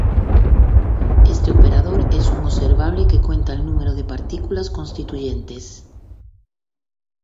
Este operador es un observable que cuenta el número de partículas constituyentes.